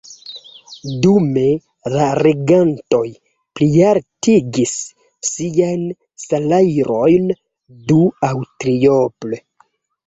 Dume la regantoj plialtigis siajn salajrojn du- aŭ trioble!